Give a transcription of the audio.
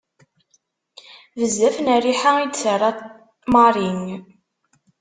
Bezzaf n rriḥa i d-terra Marie.